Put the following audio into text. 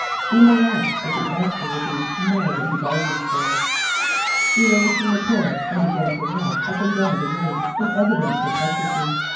He may ask, but the answer will be more than he bargains for." He rose from the chair and began to walk up and down the room in evident perplexity.